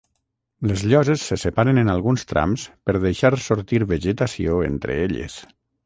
Les lloses se separen en alguns trams per deixar sortir vegetació entre elles.